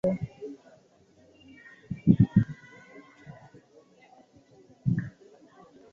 Wananchi wanaona miradi hii itabadili uchumi wa ukanda huo